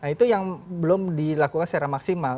itu yang belum dilakukan secara maksimal